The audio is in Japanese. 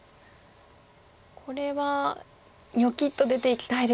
これはニョキッと出ていきたいですね。